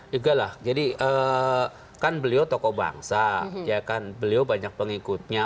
tidaklah jadi kan beliau tokoh bangsa beliau banyak pengikutnya